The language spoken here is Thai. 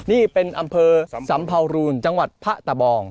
นี่เป็นอำเภอสัมภาวรูนจังหวัดพะตะบอง